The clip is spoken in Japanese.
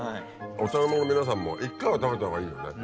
お茶の間の皆さんも１回は食べたほうがいいよね。